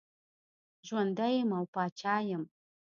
ژوندی یم او پاچا یم.